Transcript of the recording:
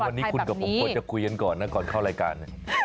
วันนี้คุณกับผมควรจะคุยกันก่อนนะก่อนเข้ารายการ